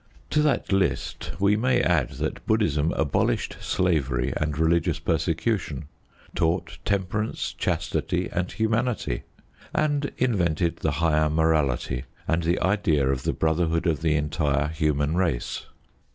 To that list we may add that Buddhism abolished slavery and religious persecution; taught temperance, chastity, and humanity; and invented the higher morality and the idea of the brotherhood of the entire human race.